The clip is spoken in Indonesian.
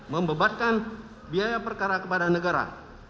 membebaskan biaya perkara kepada negara